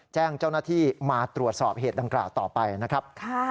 แจ้งเจ้าหน้าที่มาตรวจสอบเหตุดังกล่าวต่อไปนะครับ